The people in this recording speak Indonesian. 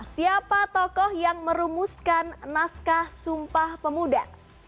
siapa tokoh yang merumuskan naskah sumpah pemuda